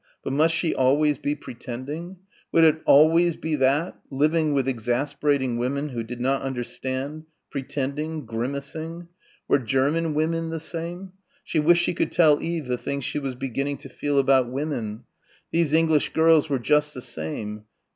But must she always be pretending? Would it always be that ... living with exasperating women who did not understand ... pretending ... grimacing?... Were German women the same? She wished she could tell Eve the things she was beginning to feel about women. These English girls were just the same.